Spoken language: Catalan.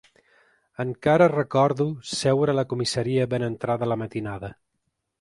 Encara recordo seure a la comissaria ben entrada la matinada.